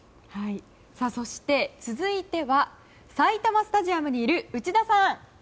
そして、続いては埼玉スタジアムにいる内田さん。